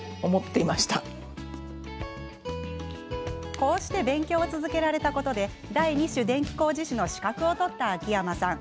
こうして勉強を続けられたことで第二種電気工事士の資格を取った秋山さん。